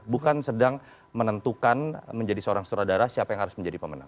bukan sedang menentukan menjadi seorang sutradara siapa yang harus menjadi pemenang